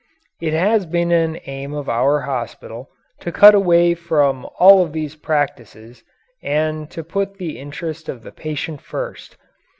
It has been an aim of our hospital to cut away from all of these practices and to put the interest of the patient first.